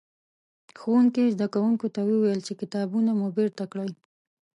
ښوونکي؛ زدکوونکو ته وويل چې کتابونه مو بېرته کړئ.